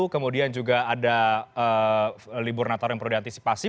kemudian juga ada libur natal yang perlu diantisipasi